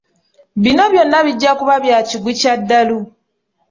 Bino byonna bijja kuba bya kigwi kya ddalu.